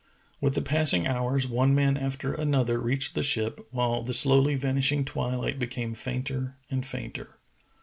With the passing hours one man after another reached the ship, while the slowly vanishing twilight became fainter and fainter.